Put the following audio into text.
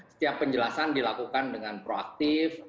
setiap penjelasan dilakukan dengan proaktif